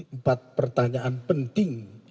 empat pertanyaan penting